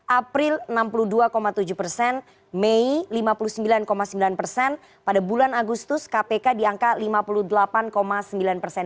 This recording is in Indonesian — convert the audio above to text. april enam puluh dua tujuh persen mei lima puluh sembilan sembilan persen pada bulan agustus kpk di angka lima puluh delapan sembilan persen